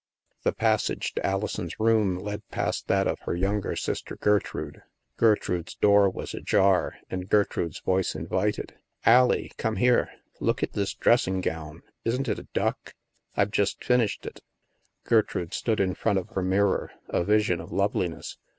The passage to Alison's room led past that of her younger sister, Gertrude. Gertrude's door was ajar, and Gertrude's voice invited. " Allie, come here. Look at this dressing gown. Isn't it a duck? I've just finished it." Gertrude stood in front of her mirror, — a vision of loveliness.